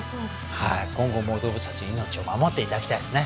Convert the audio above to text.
はい今後も動物達の命を守っていただきたいですね